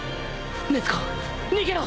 禰豆子逃げろ！